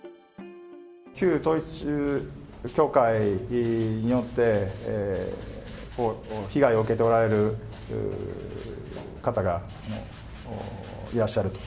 旧統一教会によって、被害を受けておられる方がいらっしゃると。